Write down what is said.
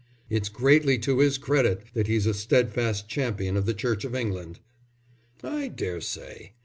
"It's greatly to his credit that he's a steadfast champion of the Church of England." "I daresay.